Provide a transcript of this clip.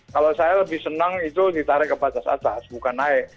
kalau saya lebih senang itu ditarik ke batas atas bukan naik